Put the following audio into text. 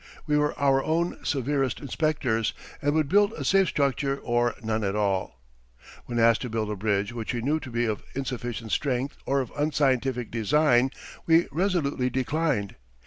We were our own severest inspectors, and would build a safe structure or none at all. When asked to build a bridge which we knew to be of insufficient strength or of unscientific design, we resolutely declined.